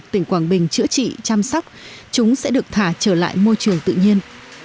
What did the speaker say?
tỉnh quảng bình chữa trị chăm sóc chúng sẽ được thả trở lại môi trường tự nhiên